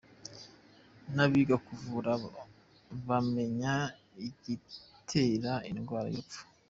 N’abiga kuvura bamenya igitera indwara n’urupfu.